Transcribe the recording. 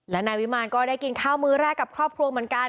และนายวิมารก็ได้กินข้าวมือแรกกับครอบครัวเหมือนกัน